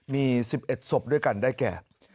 มี๑๑ศพด้วยกันได้แก่